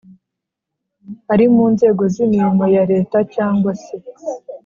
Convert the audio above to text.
ari mu nzego z imirimo ya Leta cyangwa se